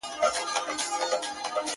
ته به مي شړې خو له ازل سره به څه کوو؟-